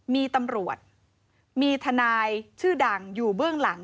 มีตำรวจมีทนายชื่อดังอยู่เบื้องหลัง